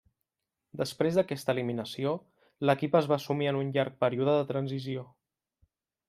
Després d'aquesta eliminació, l'equip es va sumir en un llarg període de transició.